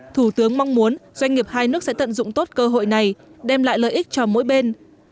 thủ tướng mong muốn doanh nghiệp hai nước sẽ tận dụng tốt cơ hội này đem lại lợi ích cho mỗi bên